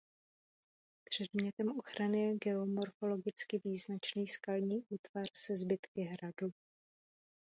Předmětem ochrany je geomorfologicky význačný skalní útvar se zbytky hradu.